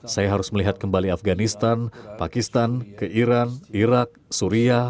saya harus melihat kembali afganistan pakistan ke iran irak suria